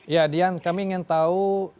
ya dian kami ingin tahu